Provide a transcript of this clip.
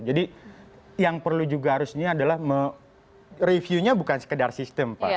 jadi yang perlu juga harusnya adalah reviewnya bukan sekedar sistem pak